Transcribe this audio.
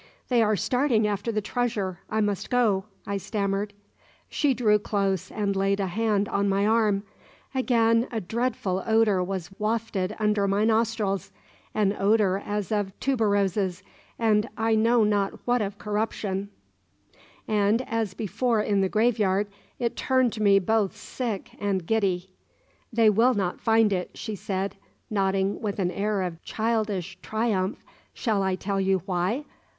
"They are starting after the treasure. I must go," I stammered. She drew close, and laid a hand on my arm. Again a dreadful odour was wafted under my nostrils an odour as of tuberoses, and I know not what of corruption and, as before in the graveyard, it turned me both sick and giddy. "They will not find it," she said, nodding with an air of childish triumph. "Shall I tell you why?